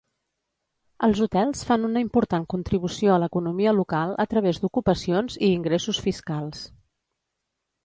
Els hotels fan una important contribució a l'economia local a través d'ocupacions i ingressos fiscals.